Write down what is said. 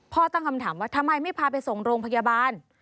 ตั้งคำถามว่าทำไมไม่พาไปส่งโรงพยาบาล